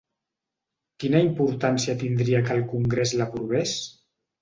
Quina importància tindria que el congrés l’aprovés?